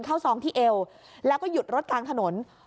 ซองที่เอวแล้วก็หยุดรถกลางถนน